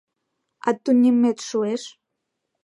— А тунеммет шуэш?